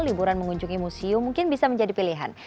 liburan mengunjungi museum mungkin bisa menjadi pilihan